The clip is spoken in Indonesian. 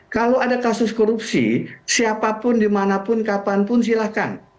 kalau ada kasus korupsi siapapun dimanapun kapanpun silahkan